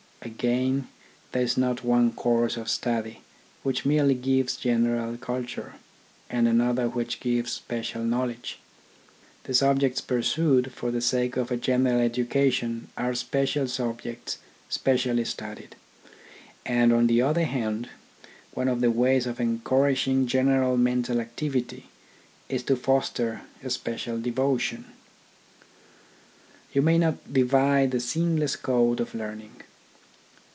Again, there is not one course of study which merely gives general culture, and another which gives special knowledge. The subjects pursued for the sake of a general education are special subjects specially studied ; and, on the other hand, one of the ways of encouraging general mental activity is to foster a special devotion. You may not divide the seamless coat of learning.